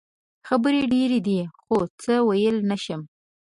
خبرې ډېرې دي خو څه ویلې نه شم.